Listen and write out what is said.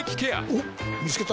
おっ見つけた。